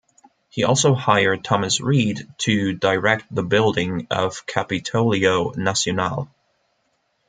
He also hired Thomas Reed to direct the building of Capitolio Nacional.